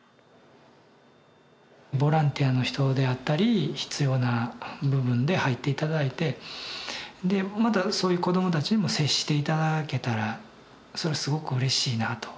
ボランティアの人であったり必要な部分で入って頂いてでまたそういう子どもたちにも接して頂けたらそれすごくうれしいなと。